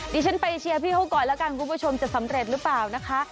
ดิฉันไปเชียร์พี่เขาก่อนแล้วกันคุณผู้ชมจะสำเร็จหรือเปล่านะคะ